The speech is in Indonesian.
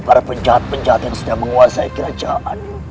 para penjahat penjahat yang sedang menguasai kerajaan